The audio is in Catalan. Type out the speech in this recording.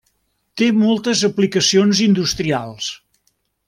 Té moltes aplicacions industrials.